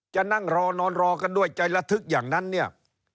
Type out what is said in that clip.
จะนั่งรอนอนรอกันด้วยใจระทึกอย่างนั้นเนี่ย